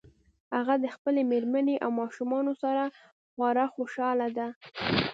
هغه د خپلې مېرمنې او ماشومانو سره خورا خوشحاله ده